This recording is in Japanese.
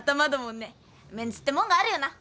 メンツってもんがあるよな。